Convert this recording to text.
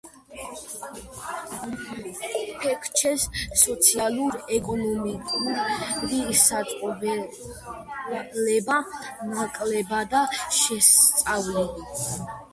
პექჩეს სოციალურ-ეკონომიკური წყობილება ნაკლებადაა შესწავლილი.